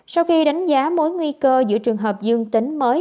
sau khi đánh giá mối nguy cơ giữa trường hợp dương tính mới